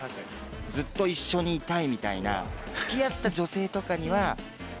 ずっと一緒にいたい！みたいな。